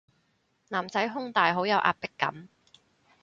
男仔胸大好有壓迫感